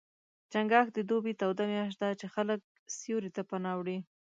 چنګاښ د دوبي توده میاشت ده، چې خلک سیوري ته پناه وړي.